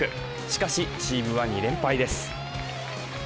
しかし、チームは２連敗です。